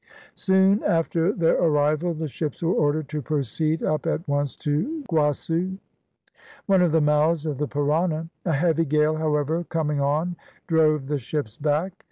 Soon after their arrival, the ships were ordered to proceed up at once to Guassu, one of the mouths of the Parana; a heavy gale, however, coming on, drove the ships back.